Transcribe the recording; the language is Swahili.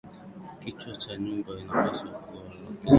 Kichwa wa nyumba anapaswa kuwa na akili timamu